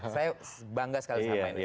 saya bangga sekali sama ini